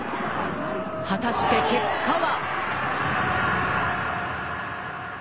果たして結果は。